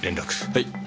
はい。